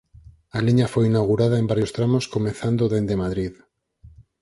A liña foi inaugurada en varios tramos comezando dende Madrid.